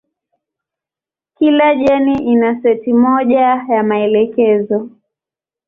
Kila jeni ina seti moja ya maelekezo.